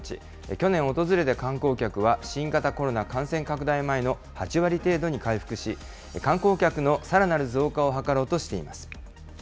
去年訪れた観光客は新型コロナ感染拡大前の８割程度に回復し、観光客のさらなる増加を図ろうとしています。